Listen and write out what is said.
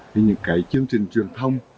thì những cái chương trình truyền thông